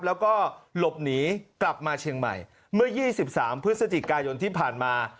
แล้วก็หลบหนีกลับมาเชียงใหม่เมื่อ๒๓พฤศจิกายนที่ผ่านมา